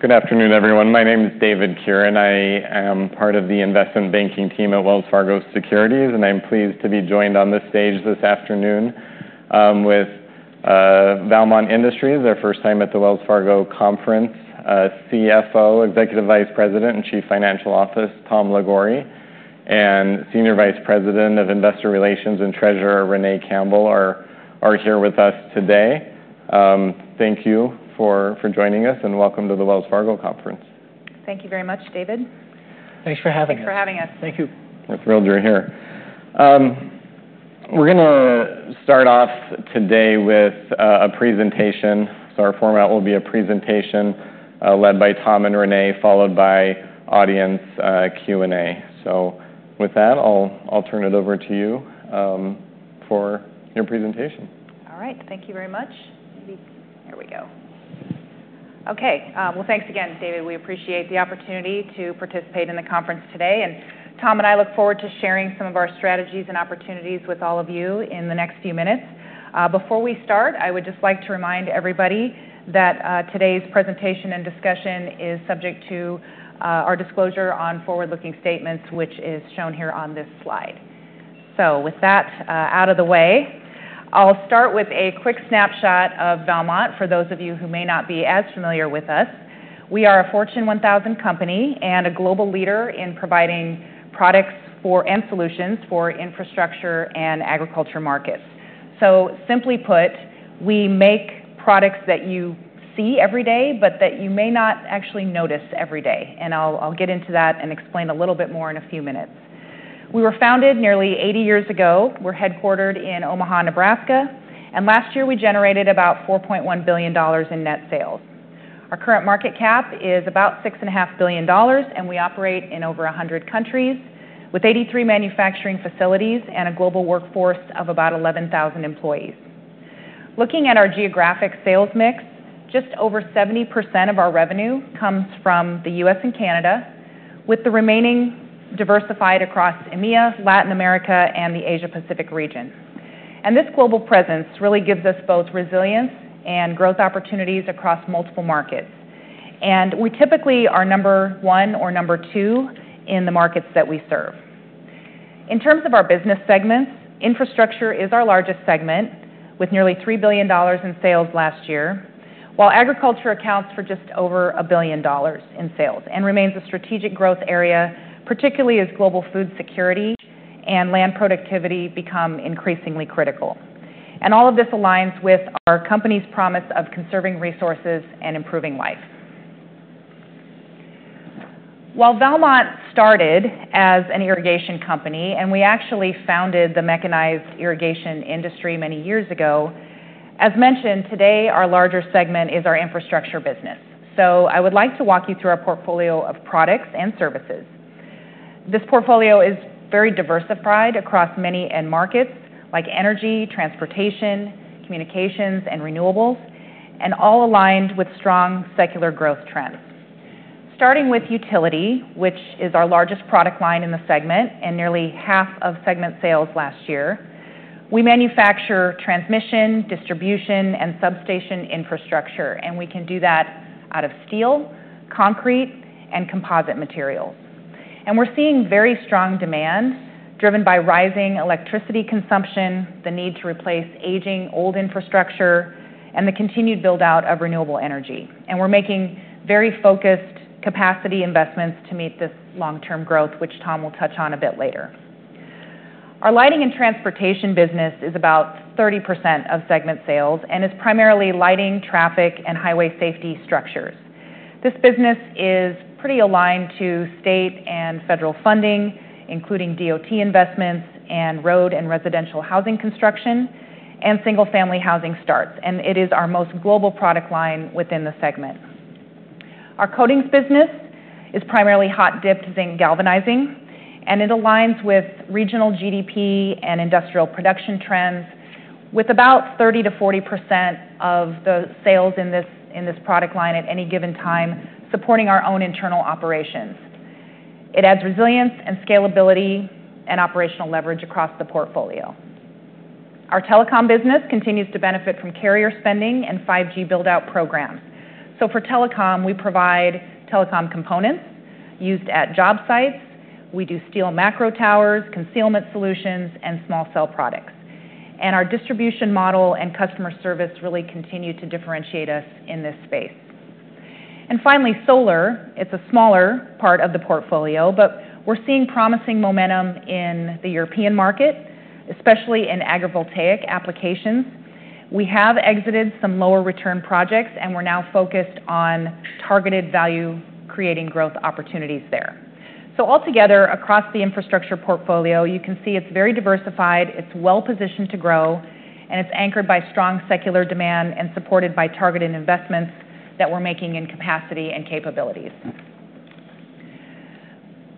Good afternoon, everyone. My name is David Kearin. I am part of the investment banking team at Wells Fargo Securities, and I'm pleased to be joined on this stage this afternoon with Valmont Industries, their first time at the Wells Fargo Conference. CFO, Executive Vice President, and Chief Financial Officer, Tom Liguori, and Senior Vice President of Investor Relations and Treasurer, Renee Campbell are here with us today. Thank you for joining us, and welcome to the Wells Fargo Conference. Thank you very much, David. Thanks for having us. Thanks for having us. Thank you. We're thrilled you're here. We're going to start off today with a presentation. Our format will be a presentation led by Tom and Renee, followed by audience Q&A. With that, I'll turn it over to you for your presentation. All right. Thank you very much. There we go. Okay. Thank you again, David. We appreciate the opportunity to participate in the conference today. Tom and I look forward to sharing some of our strategies and opportunities with all of you in the next few minutes. Before we start, I would just like to remind everybody that today's presentation and discussion is subject to our disclosure on forward-looking statements, which is shown here on this slide. With that out of the way, I'll start with a quick snapshot of Valmont for those of you who may not be as familiar with us. We are a Fortune 1000 company and a global leader in providing products and solutions for infrastructure and agriculture markets. Simply put, we make products that you see every day, but that you may not actually notice every day. I'll get into that and explain a little bit more in a few minutes. We were founded nearly 80 years ago. We're headquartered in Omaha, Nebraska. Last year, we generated about $4.1 billion in net sales. Our current market cap is about $6.5 billion, and we operate in over 100 countries with 83 manufacturing facilities and a global workforce of about 11,000 employees. Looking at our geographic sales mix, just over 70% of our revenue comes from the US and Canada, with the remaining diversified across EMEA, Latin America, and the Asia-Pacific region. This global presence really gives us both resilience and growth opportunities across multiple markets. We typically are number one or number two in the markets that we serve. In terms of our business segments, infrastructure is our largest segment, with nearly $3 billion in sales last year, while agriculture accounts for just over $1 billion in sales and remains a strategic growth area, particularly as global food security and land productivity become increasingly critical. All of this aligns with our company's promise of conserving resources and improving life. While Valmont started as an irrigation company, and we actually founded the mechanized irrigation industry many years ago, as mentioned, today our larger segment is our infrastructure business. I would like to walk you through our portfolio of products and services. This portfolio is very diversified across many end markets like energy, transportation, communications, and renewables, and all aligned with strong secular growth trends. Starting with utility, which is our largest product line in the segment and nearly half of segment sales last year, we manufacture transmission, distribution, and substation infrastructure. We can do that out of steel, concrete, and composite materials. We are seeing very strong demand driven by rising electricity consumption, the need to replace aging old infrastructure, and the continued build-out of renewable energy. We are making very focused capacity investments to meet this long-term growth, which Tom will touch on a bit later. Our lighting and transportation business is about 30% of segment sales and is primarily lighting, traffic, and highway safety structures. This business is pretty aligned to state and federal funding, including DOT investments and road and residential housing construction and single-family housing starts. It is our most global product line within the segment. Our coatings business is primarily hot-dipped zinc galvanizing, and it aligns with regional GDP and industrial production trends, with about 30-40% of the sales in this product line at any given time supporting our own internal operations. It adds resilience and scalability and operational leverage across the portfolio. Our telecom business continues to benefit from carrier spending and 5G build-out programs. For telecom, we provide telecom components used at job sites. We do steel macro towers, concealment solutions, and small cell products. Our distribution model and customer service really continue to differentiate us in this space. Finally, solar. It is a smaller part of the portfolio, but we are seeing promising momentum in the European market, especially in agrivoltaic applications. We have exited some lower-return projects, and we are now focused on targeted value-creating growth opportunities there. Altogether, across the infrastructure portfolio, you can see it is very diversified, it is well-positioned to grow, and it is anchored by strong secular demand and supported by targeted investments that we are making in capacity and capabilities.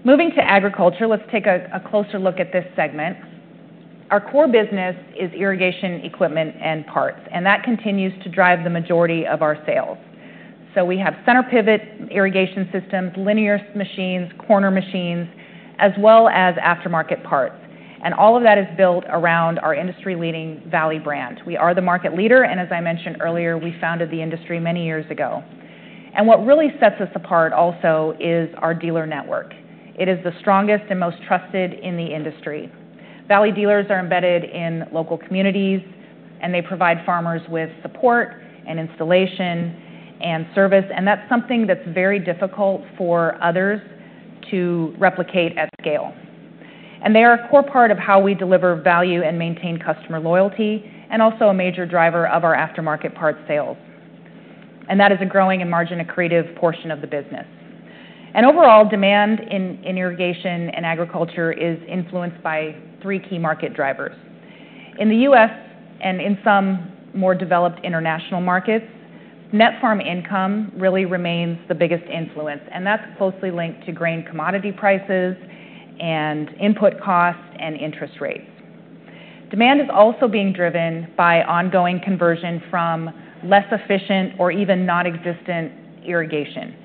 Moving to agriculture, let us take a closer look at this segment. Our core business is irrigation equipment and parts, and that continues to drive the majority of our sales. We have center pivot irrigation systems, linear machines, corner machines, as well as aftermarket parts. All of that is built around our industry-leading Valley brand. We are the market leader, and as I mentioned earlier, we founded the industry many years ago. What really sets us apart also is our dealer network. It is the strongest and most trusted in the industry. Valley dealers are embedded in local communities, and they provide farmers with support and installation and service. That is something that is very difficult for others to replicate at scale. They are a core part of how we deliver value and maintain customer loyalty and also a major driver of our aftermarket parts sales. That is a growing and margin-accretive portion of the business. Overall, demand in irrigation and agriculture is influenced by three key market drivers. In the U.S. and in some more developed international markets, net farm income really remains the biggest influence. That is closely linked to grain commodity prices and input costs and interest rates. Demand is also being driven by ongoing conversion from less efficient or even non-existent irrigation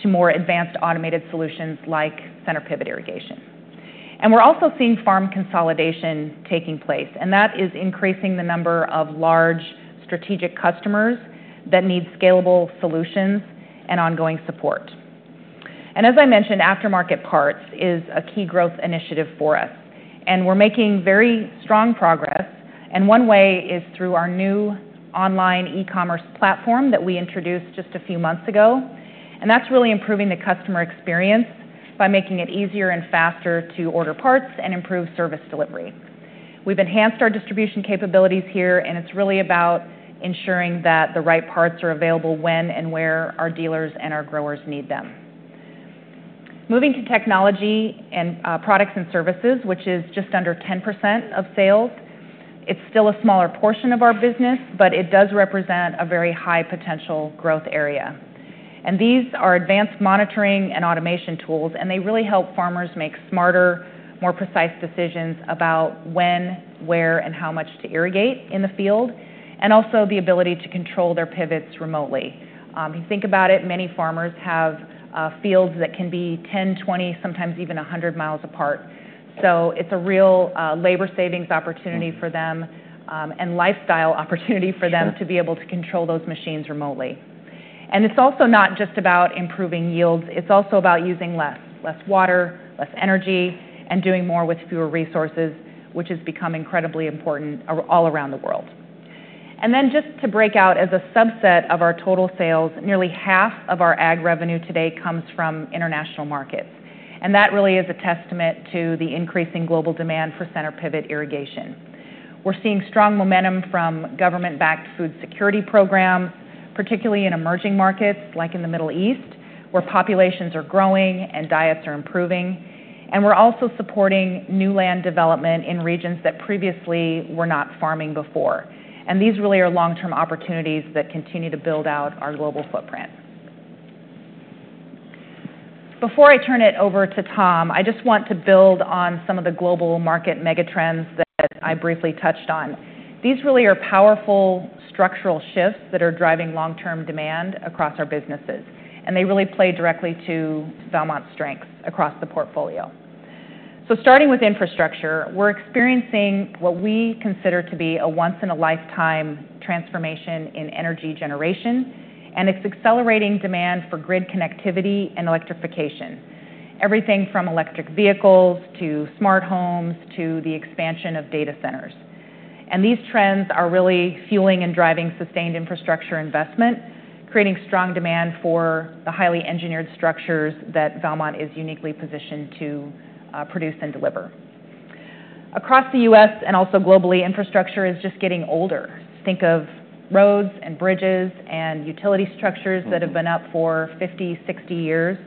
to more advanced automated solutions like center pivot irrigation. We are also seeing farm consolidation taking place. That is increasing the number of large strategic customers that need scalable solutions and ongoing support. As I mentioned, aftermarket parts is a key growth initiative for us. We are making very strong progress. One way is through our new online e-commerce platform that we introduced just a few months ago. That is really improving the customer experience by making it easier and faster to order parts and improve service delivery. We have enhanced our distribution capabilities here, and it is really about ensuring that the right parts are available when and where our dealers and our growers need them. Moving to technology and products and services, which is just under 10% of sales, it is still a smaller portion of our business, but it does represent a very high potential growth area. These are advanced monitoring and automation tools, and they really help farmers make smarter, more precise decisions about when, where, and how much to irrigate in the field, and also the ability to control their pivots remotely. If you think about it, many farmers have fields that can be 10, 20, sometimes even 100 mi apart. It is a real labor savings opportunity for them and lifestyle opportunity for them to be able to control those machines remotely. It is also not just about improving yields. It is also about using less, less water, less energy, and doing more with fewer resources, which has become incredibly important all around the world. Just to break out, as a subset of our total sales, nearly half of our ag revenue today comes from international markets. That really is a testament to the increasing global demand for center pivot irrigation. We're seeing strong momentum from government-backed food security programs, particularly in emerging markets like in the Middle East, where populations are growing and diets are improving. We're also supporting new land development in regions that previously were not farming before. These really are long-term opportunities that continue to build out our global footprint. Before I turn it over to Tom, I just want to build on some of the global market megatrends that I briefly touched on. These really are powerful structural shifts that are driving long-term demand across our businesses. They really play directly to Valmont's strengths across the portfolio. Starting with infrastructure, we're experiencing what we consider to be a once-in-a-lifetime transformation in energy generation, and it's accelerating demand for grid connectivity and electrification. Everything from electric vehicles to smart homes to the expansion of data centers. These trends are really fueling and driving sustained infrastructure investment, creating strong demand for the highly engineered structures that Valmont is uniquely positioned to produce and deliver. Across the U.S. and also globally, infrastructure is just getting older. Think of roads and bridges and utility structures that have been up for 50, 60 years.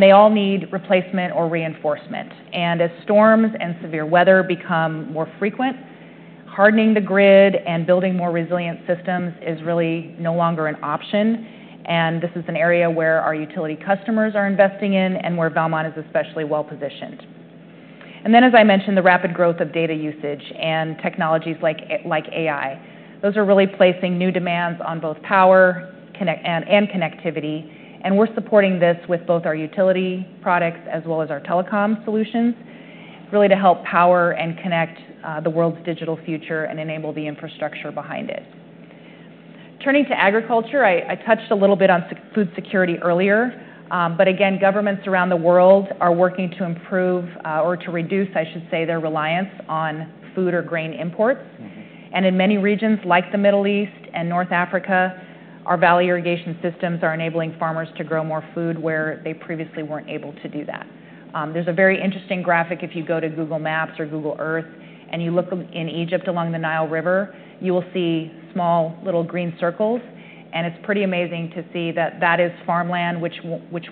They all need replacement or reinforcement. As storms and severe weather become more frequent, hardening the grid and building more resilient systems is really no longer an option. This is an area where our utility customers are investing in and where Valmont is especially well-positioned. As I mentioned, the rapid growth of data usage and technologies like AI are really placing new demands on both power and connectivity. We are supporting this with both our utility products as well as our telecom solutions, really to help power and connect the world's digital future and enable the infrastructure behind it. Turning to agriculture, I touched a little bit on food security earlier. Again, governments around the world are working to improve or to reduce, I should say, their reliance on food or grain imports. In many regions like the Middle East and North Africa, our Valley irrigation systems are enabling farmers to grow more food where they previously were not able to do that. There is a very interesting graphic if you go to Google Maps or Google Earth, and you look in Egypt along the Nile River, you will see small little green circles. It is pretty amazing to see that that is farmland, which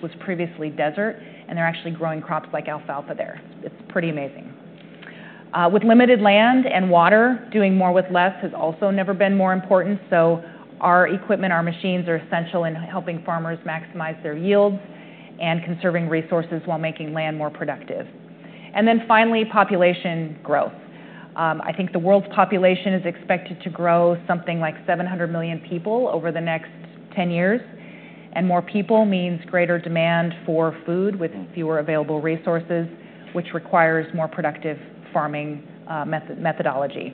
was previously desert, and they are actually growing crops like alfalfa there. It's pretty amazing. With limited land and water, doing more with less has also never been more important. Our equipment, our machines are essential in helping farmers maximize their yields and conserving resources while making land more productive. Finally, population growth. I think the world's population is expected to grow something like 700 million people over the next 10 years. More people means greater demand for food with fewer available resources, which requires more productive farming methodology.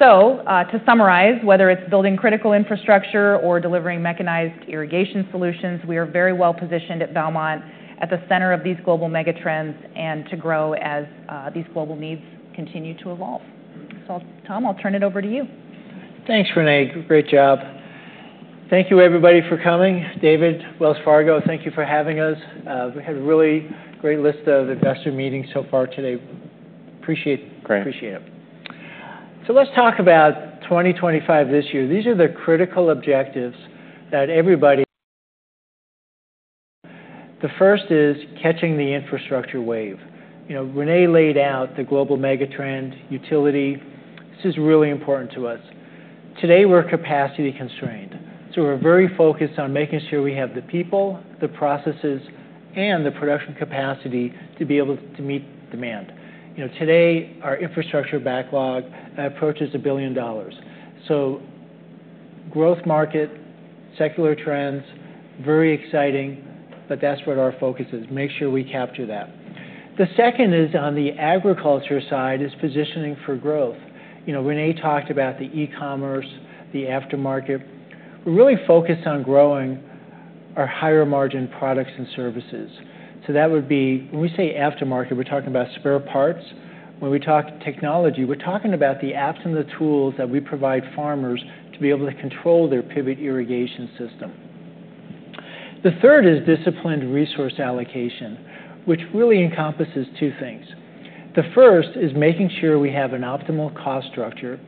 To summarize, whether it's building critical infrastructure or delivering mechanized irrigation solutions, we are very well-positioned at Valmont at the center of these global megatrends and to grow as these global needs continue to evolve. Tom, I'll turn it over to you. Thanks, Renee. Great job. Thank you, everybody, for coming. David, Wells Fargo, thank you for having us. We had a really great list of investor meetings so far today. Appreciate it. Great. Appreciate it. Let's talk about 2025 this year. These are the critical objectives that everybody. The first is catching the infrastructure wave. Renee laid out the global megatrend utility. This is really important to us. Today, we're capacity constrained. We're very focused on making sure we have the people, the processes, and the production capacity to be able to meet demand. Today, our infrastructure backlog approaches $1 billion. Growth market, secular trends, very exciting, but that's what our focus is. Make sure we capture that. The second is on the agriculture side is positioning for growth. Renee talked about the e-commerce, the aftermarket. We're really focused on growing our higher margin products and services. That would be when we say aftermarket, we're talking about spare parts. When we talk technology, we're talking about the apps and the tools that we provide farmers to be able to control their pivot irrigation system. The third is disciplined resource allocation, which really encompasses two things. The first is making sure we have an optimal cost structure.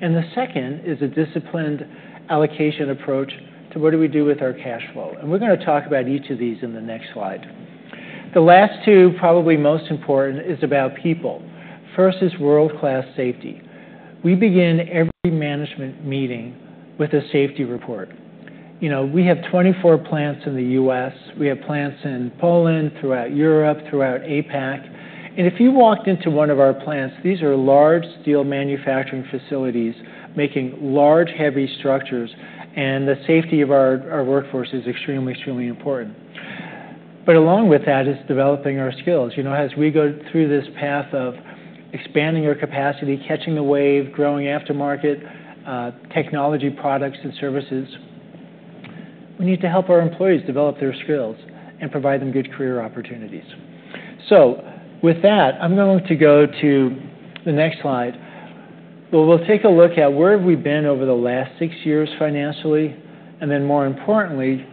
The second is a disciplined allocation approach to what do we do with our cash flow. We're going to talk about each of these in the next slide. The last two, probably most important, is about people. First is world-class safety. We begin every management meeting with a safety report. We have 24 plants in the US. We have plants in Poland, throughout Europe, throughout APAC. If you walked into one of our plants, these are large steel manufacturing facilities making large, heavy structures. The safety of our workforce is extremely, extremely important. But along with that is developing our skills. As we go through this path of expanding our capacity, catching the wave, growing aftermarket technology products and services, we need to help our employees develop their skills and provide them good career opportunities. With that, I'm going to go to the next slide. We'll take a look at where have we been over the last six years financially. More importantly,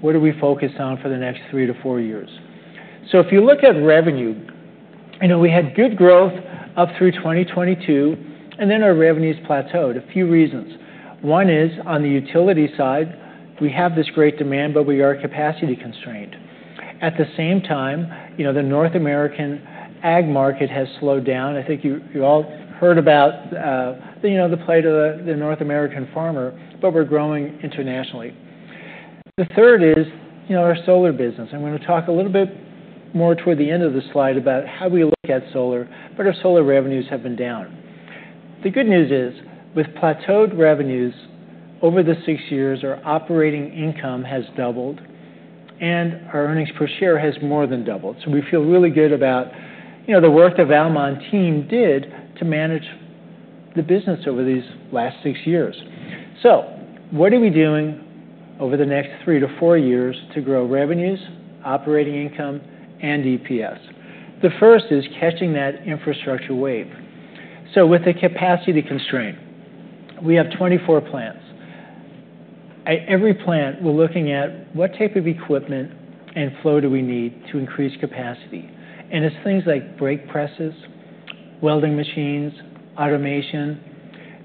what are we focused on for the next three to four years? If you look at revenue, we had good growth up through 2022, and then our revenues plateaued. A few reasons. One is on the utility side, we have this great demand, but we are capacity constrained. At the same time, the North American ag market has slowed down. I think you all heard about the plight of the North American farmer, but we're growing internationally. The third is our solar business. I'm going to talk a little bit more toward the end of the slide about how we look at solar, but our solar revenues have been down. The good news is with plateaued revenues over the six years, our operating income has doubled, and our earnings per share has more than doubled. So we feel really good about the work the Valmont team did to manage the business over these last six years. What are we doing over the next three to four years to grow revenues, operating income, and EPS? The first is catching that infrastructure wave. With the capacity constraint, we have 24 plants. At every plant, we're looking at what type of equipment and flow do we need to increase capacity. It's things like brake presses, welding machines, automation.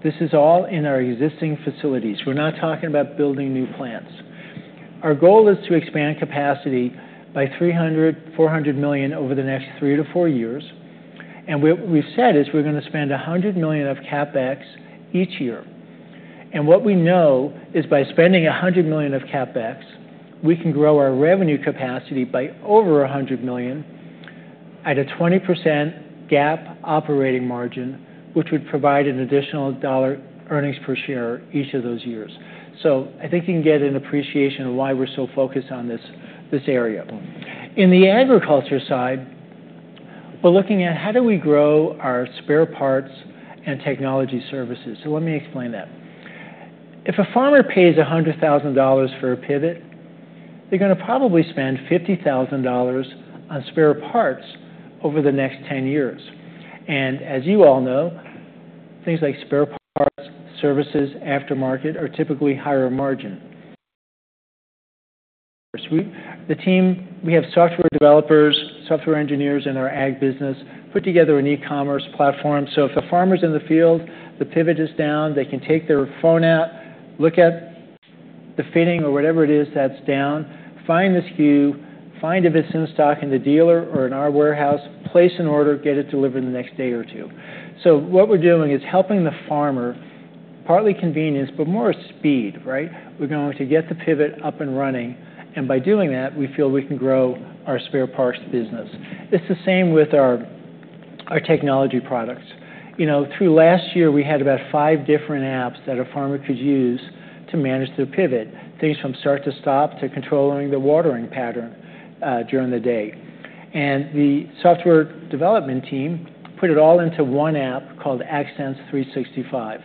This is all in our existing facilities. We're not talking about building new plants. Our goal is to expand capacity by $300 million-$400 million over the next three to four years. What we've said is we're going to spend $100 million of CapEx each year. What we know is by spending $100 million of CapEx, we can grow our revenue capacity by over $100 million at a 20% gap operating margin, which would provide an additional dollar earnings per share each of those years. I think you can get an appreciation of why we're so focused on this area. In the agriculture side, we're looking at how do we grow our spare parts and technology services. Let me explain that. If a farmer pays $100,000 for a pivot, they're going to probably spend $50,000 on spare parts over the next 10 years. As you all know, things like spare parts, services, aftermarket are typically higher margin. The team, we have software developers, software engineers in our ag business, put together an e-commerce platform. If a farmer is in the field, the pivot is down, they can take their phone out, look at the fitting or whatever it is that is down, find the SKU, find a vicinity stock in the dealer or in our warehouse, place an order, get it delivered in the next day or two. What we are doing is helping the farmer, partly convenience, but more speed, right? We are going to get the pivot up and running. By doing that, we feel we can grow our spare parts business. It is the same with our technology products. Through last year, we had about five different apps that a farmer could use to manage their pivot, things from start to stop to controlling the watering pattern during the day. The software development team put it all into one app called Accents 365.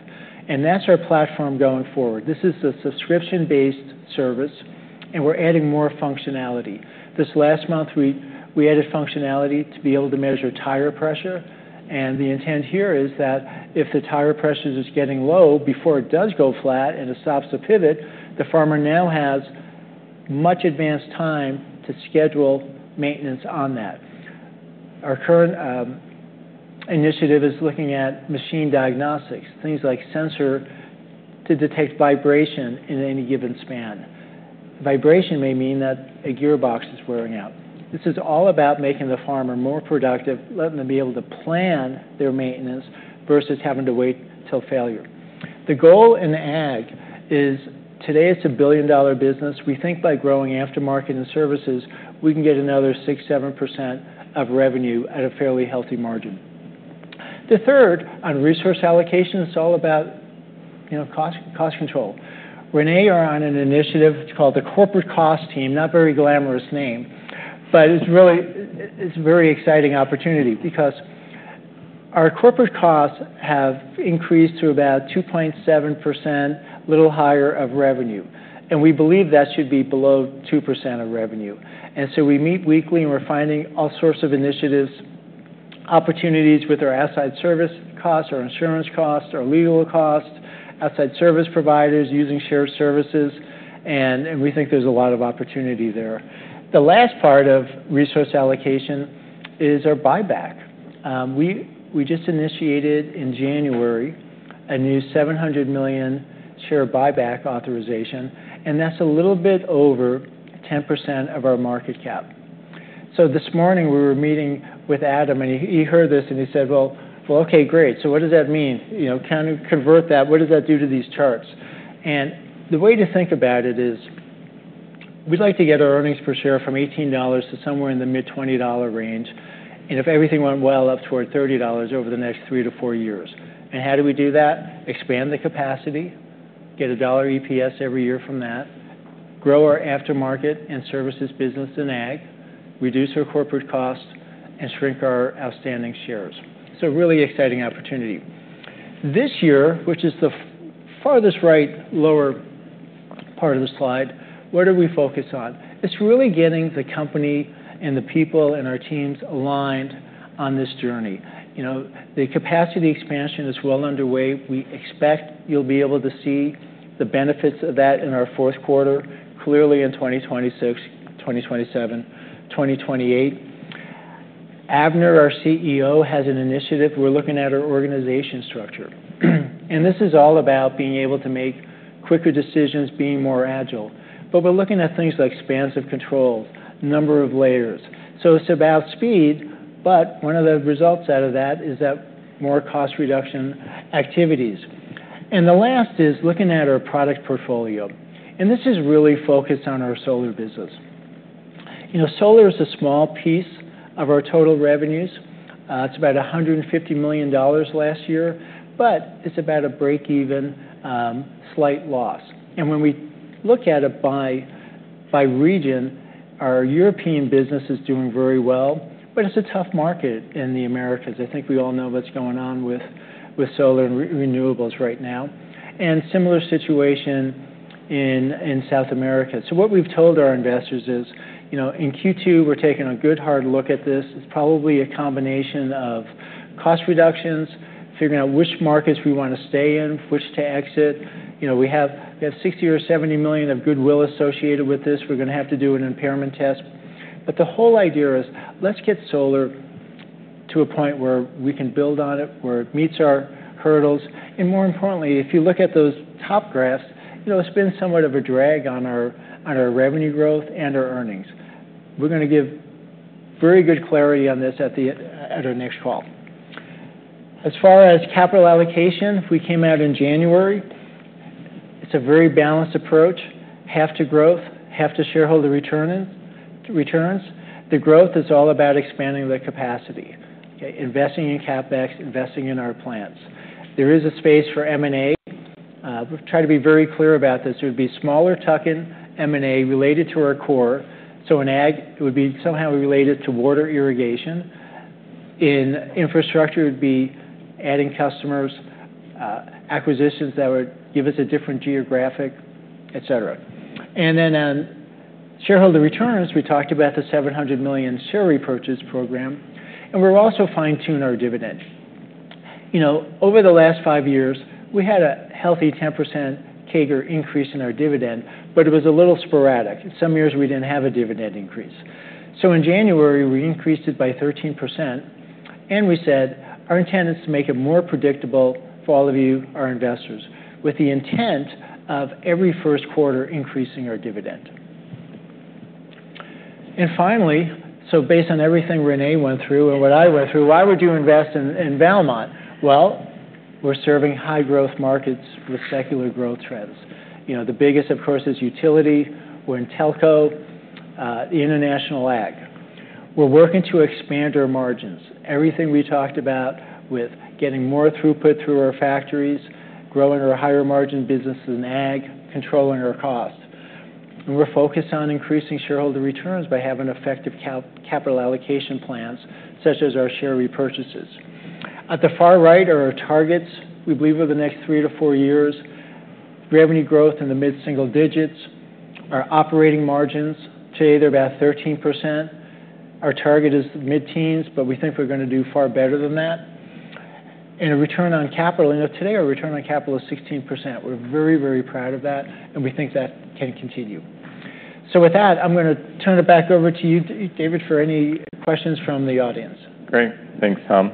That is our platform going forward. This is a subscription-based service, and we are adding more functionality. This last month, we added functionality to be able to measure tire pressure. The intent here is that if the tire pressure is getting low before it does go flat and it stops the pivot, the farmer now has much advanced time to schedule maintenance on that. Our current initiative is looking at machine diagnostics, things like sensors to detect vibration in any given span. Vibration may mean that a gearbox is wearing out. This is all about making the farmer more productive, letting them be able to plan their maintenance versus having to wait till failure. The goal in ag is today it's a billion-dollar business. We think by growing aftermarket and services, we can get another 6-7% of revenue at a fairly healthy margin. The third on resource allocation is all about cost control. Renee is on an initiative. It's called the Corporate Cost Team, not a very glamorous name. It is really a very exciting opportunity because our corporate costs have increased to about 2.7%, a little higher of revenue. We believe that should be below 2% of revenue. We meet weekly and we're finding all sorts of initiatives, opportunities with our outside service costs, our insurance costs, our legal costs, outside service providers using shared services. We think there's a lot of opportunity there. The last part of resource allocation is our buyback. We just initiated in January a new $700 million share buyback authorization. That's a little bit over 10% of our market cap. This morning, we were meeting with Adam, and he heard this and he said, "Okay, great. What does that mean? Can you convert that? What does that do to these charts?" The way to think about it is we'd like to get our earnings per share from $18 to somewhere in the mid-$20 range. If everything went well, up toward $30 over the next three to four years. How do we do that? Expand the capacity, get a dollar EPS every year from that, grow our aftermarket and services business in ag, reduce our corporate costs, and shrink our outstanding shares. Really exciting opportunity. This year, which is the farthest right lower part of the slide, what are we focused on? It's really getting the company and the people and our teams aligned on this journey. The capacity expansion is well underway. We expect you'll be able to see the benefits of that in our fourth quarter, clearly in 2026, 2027, 2028. Avner, our CEO, has an initiative. We're looking at our organization structure. This is all about being able to make quicker decisions, being more agile. We're looking at things like expansive controls, number of layers. It's about speed, but one of the results out of that is that more cost reduction activities. The last is looking at our product portfolio. This is really focused on our solar business. Solar is a small piece of our total revenues. It's about $150 million last year, but it's about a break-even, slight loss. When we look at it by region, our European business is doing very well, but it's a tough market in the Americas. I think we all know what's going on with solar and renewables right now. Similar situation in South America. What we've told our investors is in Q2, we're taking a good, hard look at this. It's probably a combination of cost reductions, figuring out which markets we want to stay in, which to exit. We have $60 million-$70 million of goodwill associated with this. We're going to have to do an impairment test. The whole idea is let's get solar to a point where we can build on it, where it meets our hurdles. More importantly, if you look at those top graphs, it's been somewhat of a drag on our revenue growth and our earnings. We're going to give very good clarity on this at our next call. As far as capital allocation, we came out in January. It's a very balanced approach, half to growth, half to shareholder returns. The growth is all about expanding the capacity, investing in CapEx, investing in our plants. There is a space for M&A. We've tried to be very clear about this. It would be smaller-tucking M&A related to our core. In ag, it would be somehow related to water irrigation. In infrastructure, it would be adding customers, acquisitions that would give us a different geographic, etc. On shareholder returns, we talked about the $700 million share repurchase program. We're also fine-tuning our dividend. Over the last five years, we had a healthy 10% CAGR increase in our dividend, but it was a little sporadic. Some years we didn't have a dividend increase. In January, we increased it by 13%. We said our intent is to make it more predictable for all of you, our investors, with the intent of every first quarter increasing our dividend. Finally, based on everything Renee went through and what I went through, why would you invest in Valmont? We're serving high-growth markets with secular growth trends. The biggest, of course, is utility. We're in telco, international ag. We're working to expand our margins. Everything we talked about with getting more throughput through our factories, growing our higher-margin businesses in ag, controlling our costs. We're focused on increasing shareholder returns by having effective capital allocation plans such as our share repurchases. At the far right are our targets. We believe over the next three to four years, revenue growth in the mid-single digits. Our operating margins, today they're about 13%. Our target is mid-teens, but we think we're going to do far better than that. A return on capital, today our return on capital is 16%. We're very, very proud of that, and we think that can continue. With that, I'm going to turn it back over to you, David, for any questions from the audience. Great. Thanks, Tom.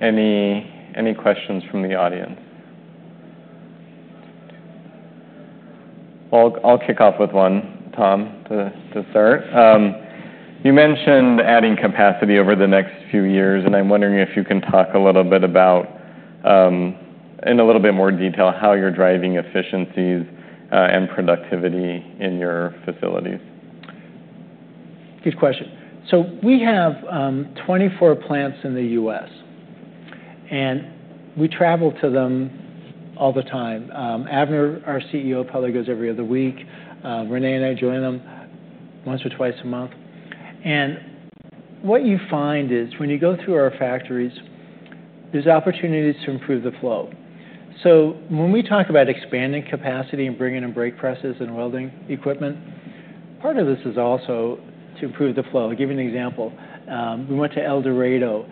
Any questions from the audience? I'll kick off with one, Tom, to start. You mentioned adding capacity over the next few years, and I'm wondering if you can talk a little bit about, in a little bit more detail, how you're driving efficiencies and productivity in your facilities. Good question. We have 24 plants in the US, and we travel to them all the time. Avner, our CEO, probably goes every other week. Renee and I join them once or twice a month. What you find is when you go through our factories, there are opportunities to improve the flow. When we talk about expanding capacity and bringing in brake presses and welding equipment, part of this is also to improve the flow. I'll give you an example. We went to El Dorado.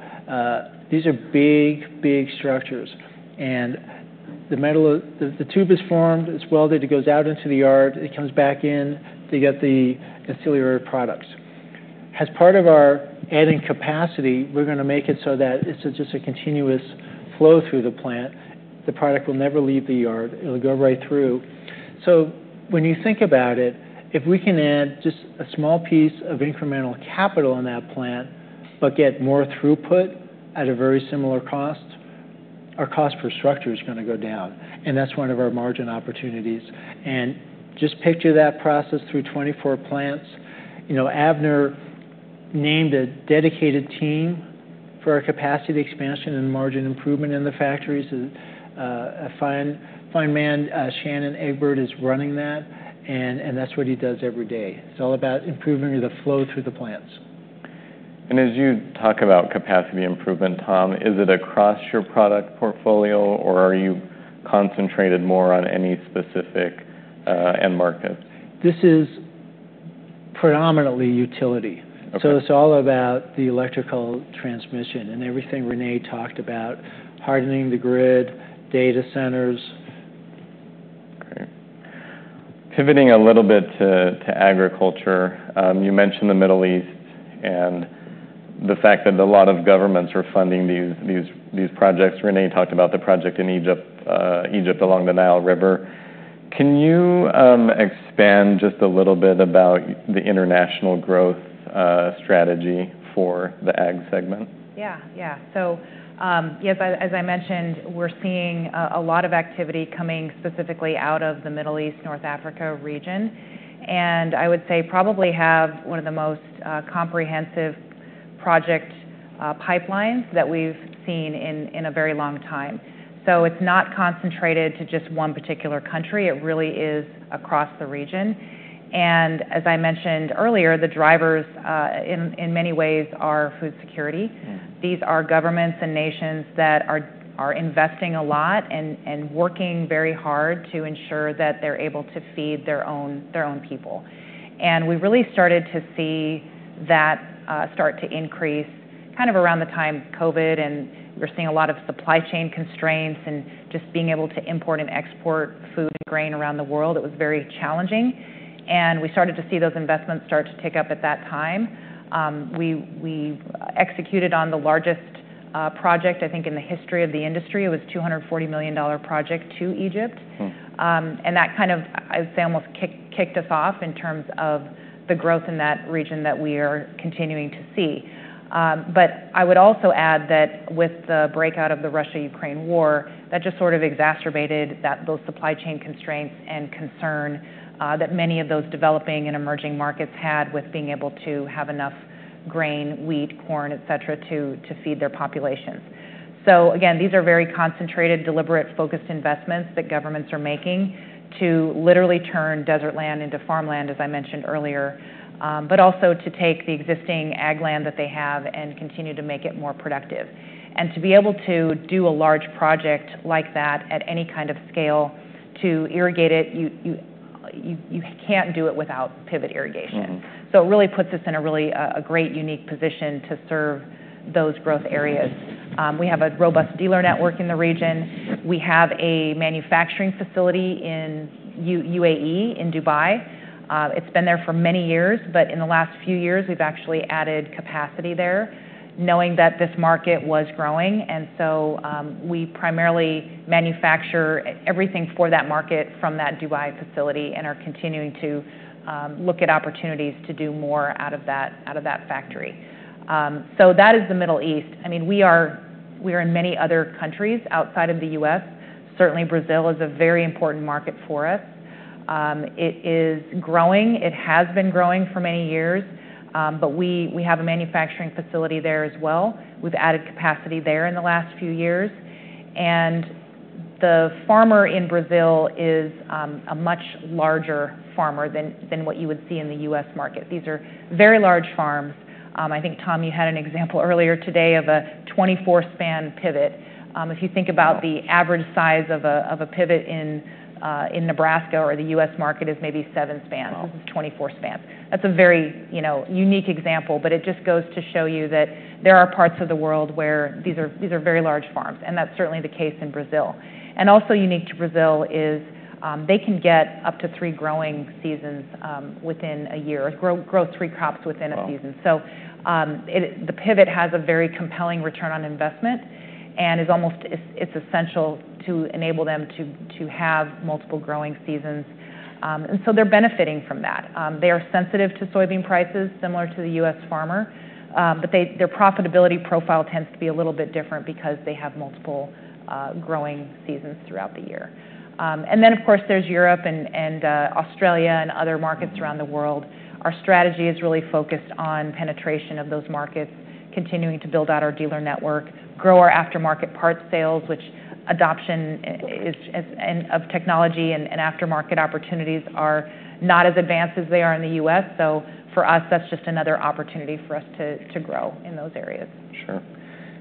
These are big, big structures. The metal of the tube is formed. It's welded. It goes out into the yard. It comes back in to get the auxiliary products. As part of our adding capacity, we're going to make it so that it's just a continuous flow through the plant. The product will never leave the yard. It'll go right through. When you think about it, if we can add just a small piece of incremental capital in that plant but get more throughput at a very similar cost, our cost per structure is going to go down. That is one of our margin opportunities. Just picture that process through 24 plants. Avner named a dedicated team for our capacity expansion and margin improvement in the factories. A fine man, Shannon Egbert, is running that, and that is what he does every day. It is all about improving the flow through the plants. As you talk about capacity improvement, Tom, is it across your product portfolio, or are you concentrated more on any specific end markets? This is predominantly utility. It is all about the electrical transmission and everything Renee talked about, hardening the grid, data centers. Great. Pivoting a little bit to agriculture, you mentioned the Middle East and the fact that a lot of governments are funding these projects. Renee talked about the project in Egypt along the Nile River. Can you expand just a little bit about the international growth strategy for the ag segment? Yeah, yeah. Yes, as I mentioned, we're seeing a lot of activity coming specifically out of the Middle East, North Africa region. I would say probably have one of the most comprehensive project pipelines that we've seen in a very long time. It is not concentrated to just one particular country. It really is across the region. As I mentioned earlier, the drivers in many ways are food security. These are governments and nations that are investing a lot and working very hard to ensure that they're able to feed their own people. We really started to see that start to increase kind of around the time COVID, and we were seeing a lot of supply chain constraints and just being able to import and export food and grain around the world. It was very challenging. We started to see those investments start to tick up at that time. We executed on the largest project, I think, in the history of the industry. It was a $240 million project to Egypt. That kind of, I would say, almost kicked us off in terms of the growth in that region that we are continuing to see. I would also add that with the breakout of the Russia-Ukraine war, that just sort of exacerbated those supply chain constraints and concern that many of those developing and emerging markets had with being able to have enough grain, wheat, corn, etc., to feed their populations. Again, these are very concentrated, deliberate, focused investments that governments are making to literally turn desert land into farmland, as I mentioned earlier, but also to take the existing ag land that they have and continue to make it more productive. To be able to do a large project like that at any kind of scale, to irrigate it, you can't do it without pivot irrigation. It really puts us in a really great, unique position to serve those growth areas. We have a robust dealer network in the region. We have a manufacturing facility in UAE, in Dubai. It has been there for many years, but in the last few years, we've actually added capacity there, knowing that this market was growing. We primarily manufacture everything for that market from that Dubai facility and are continuing to look at opportunities to do more out of that factory. That is the Middle East. I mean, we are in many other countries outside of the U.S. Certainly, Brazil is a very important market for us. It is growing. It has been growing for many years, but we have a manufacturing facility there as well. We've added capacity there in the last few years. The farmer in Brazil is a much larger farmer than what you would see in the U.S. market. These are very large farms. I think, Tom, you had an example earlier today of a 24-span pivot. If you think about the average size of a pivot in Nebraska or the U.S. market, it is maybe 7 spans. This is 24 spans. That is a very unique example, but it just goes to show you that there are parts of the world where these are very large farms. That is certainly the case in Brazil. Also unique to Brazil is they can get up to three growing seasons within a year, grow three crops within a season. The pivot has a very compelling return on investment and is essential to enable them to have multiple growing seasons. They are benefiting from that. They are sensitive to soybean prices, similar to the U.S. farmer, but their profitability profile tends to be a little bit different because they have multiple growing seasons throughout the year. Of course, there is Europe and Australia and other markets around the world. Our strategy is really focused on penetration of those markets, continuing to build out our dealer network, grow our aftermarket parts sales, which adoption of technology and aftermarket opportunities are not as advanced as they are in the U.S. For us, that is just another opportunity for us to grow in those areas. Sure.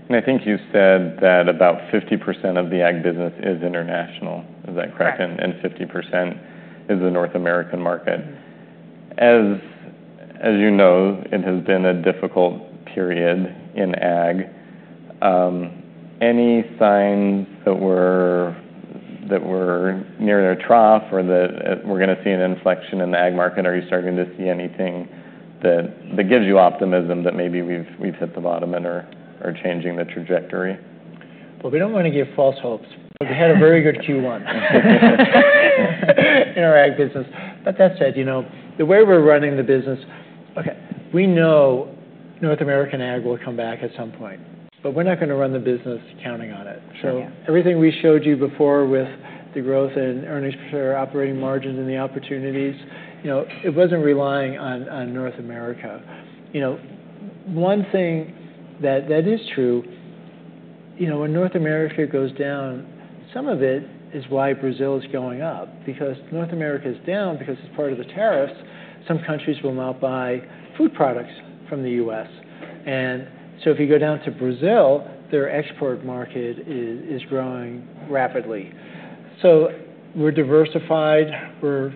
I think you said that about 50% of the ag business is international. Is that correct? And 50% is the North American market. As you know, it has been a difficult period in ag. Any signs that we're nearing a trough or that we're going to see an inflection in the ag market? Are you starting to see anything that gives you optimism that maybe we've hit the bottom and are changing the trajectory? We do not want to give false hopes. We had a very good Q1 in our ag business. That said, the way we are running the business, we know North American ag will come back at some point, but we are not going to run the business counting on it. Everything we showed you before with the growth in earnings per share, operating margins, and the opportunities, it was not relying on North America. One thing that is true, when North America goes down, some of it is why Brazil is going up. North America is down because it is part of the tariffs, some countries will not buy food products from the US. If you go down to Brazil, their export market is growing rapidly. We are diversified. We are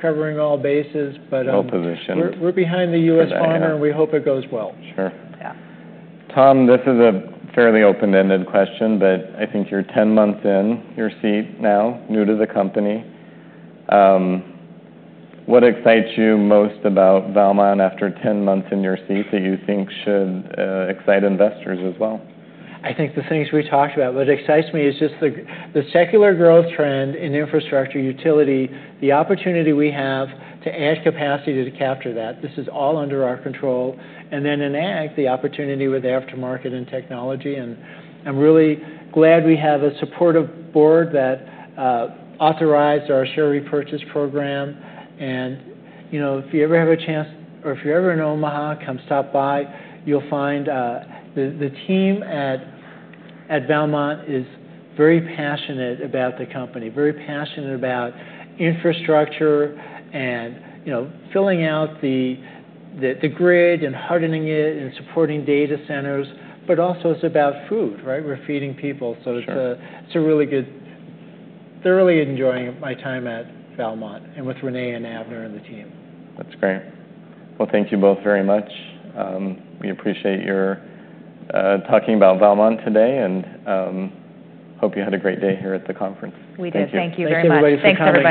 covering all bases, but. Well positioned. We're behind the U.S. farmer, and we hope it goes well. Sure. Yeah, Tom, this is a fairly open-ended question, but I think you're 10 months in your seat now, new to the company. What excites you most about Valmont after 10 months in your seat that you think should excite investors as well? I think the things we talked about, what excites me is just the secular growth trend in infrastructure, utility, the opportunity we have to add capacity to capture that. This is all under our control. In ag, the opportunity with aftermarket and technology. I'm really glad we have a supportive board that authorized our share repurchase program. If you ever have a chance or if you're ever in Omaha, come stop by. You'll find the team at Valmont is very passionate about the company, very passionate about infrastructure and filling out the grid and hardening it and supporting data centers, but also it's about food, right? We're feeding people. It's a really good, thoroughly enjoying my time at Valmont and with Renee and Avner and the team. That's great. Thank you both very much. We appreciate your talking about Valmont today and hope you had a great day here at the conference. We did. Thank you very much. Thank you, Liz. Thank you.